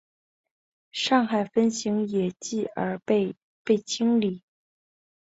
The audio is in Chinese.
上海分行也继而被被清理。